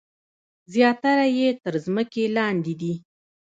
زیاتره یې تر ځمکې لاندې دي.